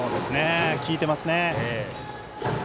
効いていますね。